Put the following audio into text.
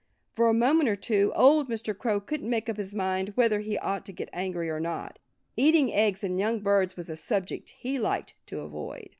For a moment or two old Mr. Crow couldn't make up his mind whether he ought to get angry or not. Eating eggs and young birds was a subject he liked to avoid.